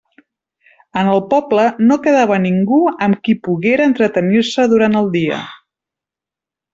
En el poble no quedava ningú amb qui poguera entretenir-se durant el dia.